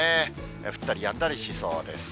降ったりやんだりしそうです。